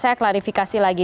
saya klarifikasi lagi